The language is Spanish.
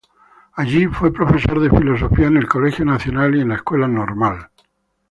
Allí fue profesor de Filosofía en el Colegio Nacional y en la Escuela Normal.